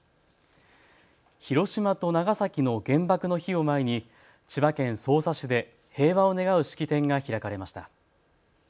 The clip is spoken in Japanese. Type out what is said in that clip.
広島と長崎の原爆の日を前に千葉県匝瑳市で平和を願う式典が開かれました。